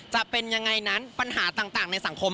จะเป็นยังไงนั้นปัญหาต่างในสังคม